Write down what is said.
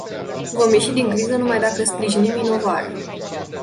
Vom ieși din criză numai dacă sprijinim inovarea.